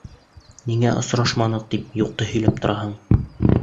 Ниңә «осрашманыҡ» тип юҡты һөйләп тораһың?